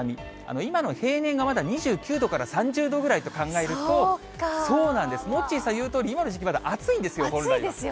今の平年がまだ２９度から３０度ぐらいと考えると、そうなんです、モッチーさん言うとおり、今の時期まだ暑いんですよ、本来は。